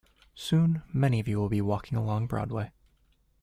Soon many of you will be walking along Broadway.